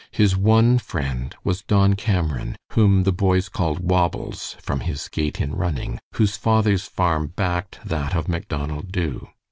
His one friend was Don Cameron, whom the boys called "Wobbles," from his gait in running, whose father's farm backed that of Macdonald Dubh.